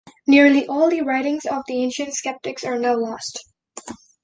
Nearly all the writings of the ancient skeptics are now lost.